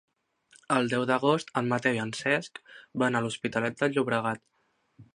El deu d'agost en Mateu i en Cesc van a l'Hospitalet de Llobregat.